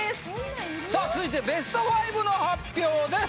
さあ続いてベスト５の発表です！